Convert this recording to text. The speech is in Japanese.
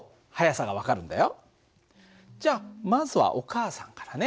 じゃあまずはお母さんからね。